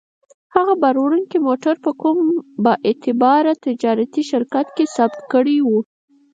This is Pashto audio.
هغه باروړونکی موټر په کوم با اعتباره تجارتي شرکت کې ثبت کړی و.